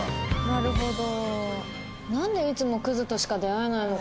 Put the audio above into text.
なるほど。